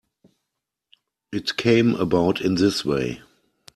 It came about in this way.